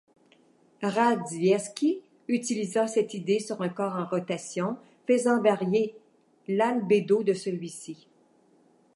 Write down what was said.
Radzievskii utilisa cette idée sur un corps en rotation, faisant varier l'albédo de celui-ci.